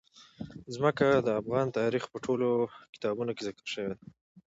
ځمکه د افغان تاریخ په ټولو کتابونو کې ذکر شوی دي.